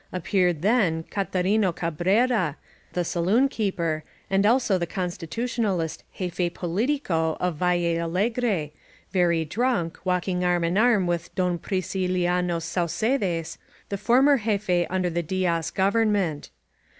Appeared then Catarino Cabrera, the saloon keeper, and also the Constitationalist jefe politico of Yalle Allegre, very drank, walking arm in arm with Don Priciliano Saacedes, the former jefe ander the Diaz government.